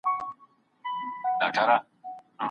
موږ له کړکۍ څخه ډبره چاڼ کړې وه.